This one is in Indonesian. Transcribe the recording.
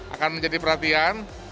akan menjadi perhatian